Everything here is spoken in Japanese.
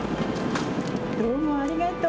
どうもありがとう。